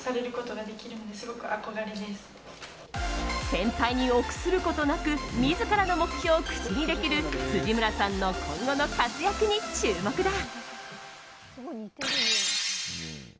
先輩に臆することなく自らの目標を口にできる辻村さんの今後の活躍に注目だ。